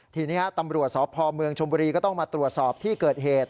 ทีนี้ตำรวจสพเมืองชมบุรีก็ต้องมาตรวจสอบที่เกิดเหตุ